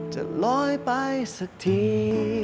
จะลอยไปสักที